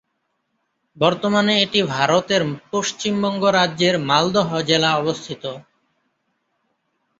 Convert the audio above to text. বর্তমানে এটি ভারতের পশ্চিমবঙ্গ রাজ্যের মালদহ জেলা অবস্থিত।